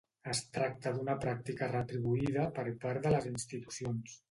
Es tracta d'una pràctica retribuïda per part de les institucions?